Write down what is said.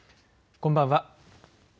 こんばんは。